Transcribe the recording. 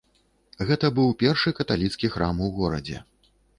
Гэта быў першы каталіцкі храм у горадзе.